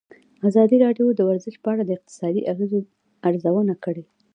ازادي راډیو د ورزش په اړه د اقتصادي اغېزو ارزونه کړې.